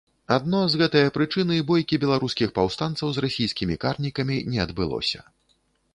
Адно з гэтае прычыны бойкі беларускіх паўстанцаў з расійскімі карнікамі не адбылося.